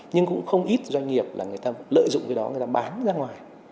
nhưng cũng không ít doanh nghiệp là người ta lợi dụng cái đó người ta bán ra ngoài